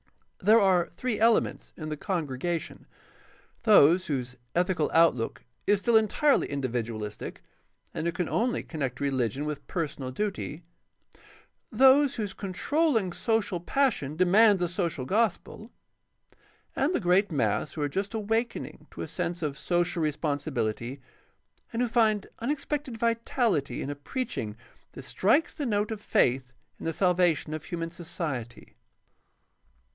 There are three elements in the congregation: those whose ethical outlook is still entirely individualistic and who can only connect reHgion with personal duty; those whose controlling social passion demands a social gospel; and the great mass who are just awakening to a sense of social responsibihty and who find unexpected vitality in a preaching that strikes the note of faith in the salvation of human society.